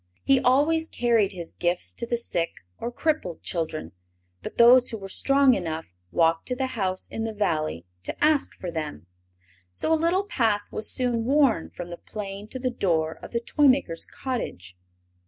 He always carried his gifts to the sick or crippled children, but those who were strong enough walked to the house in the Valley to ask for them, so a little path was soon worn from the plain to the door of the toy maker's cottage.